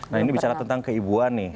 nah ini bicara tentang keibuan nih